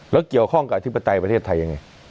แล้วเกี่ยวข้องกับอธิปไตยประเทศไทยยังไง